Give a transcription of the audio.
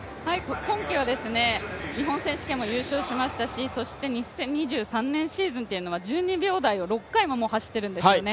今季は日本選手権も優勝しましたし、２０２３年シーズンというのは１２秒台をもう６回も走っているんですね。